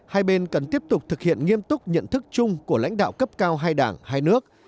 hai bên cần tiếp tục thực hiện nghiêm túc nhận thức chung của lãnh đạo cấp cao hai đảng hai nước